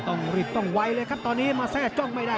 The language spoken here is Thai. ต้องหลีบต้องไวเลยครับตอนนี้มาแทรกจ้องไม่ได้แล้ว